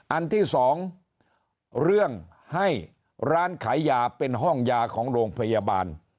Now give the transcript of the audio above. อันที่สองเรื่องให้ร้านขายยาเป็นห้องยาของโรงพยาบาล